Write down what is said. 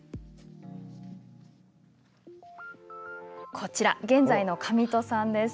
こちら、現在の上戸さんです。